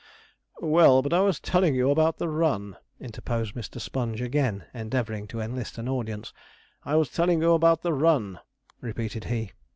'Well, but I was telling you about the run,' interposed Mr. Sponge, again endeavouring to enlist an audience. 'I was telling you about the run,' repeated he.